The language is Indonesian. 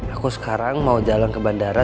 aku sekarang mau jalan ke bandara